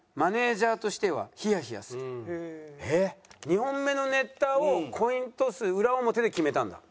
２本目のネタをコイントス裏表で決めたんだ？